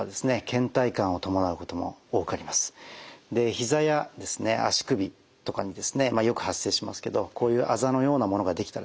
膝や足首とかにですねよく発生しますけどこういうあざのようなものができたらですね